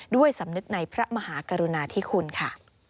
ด้วยสำนึกในพระมหากรุณาธิคุณค่ะ